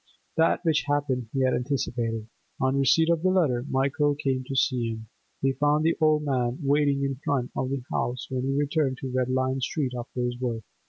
That which happened he had anticipated. On receipt of the letter Michael came to see him; he found the old man waiting in front of the house when he returned to Red Lion Street after his work.